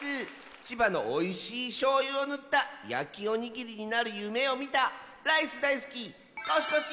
千葉のおいしいしょうゆをぬったやきおにぎりになるゆめをみたライスだいすきコシコシコッシーです！